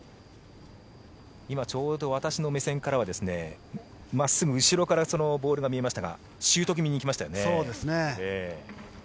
今ちょうど私の目線からは真っすぐ後ろからボールが見えましたがシュート気味に行きましたよね。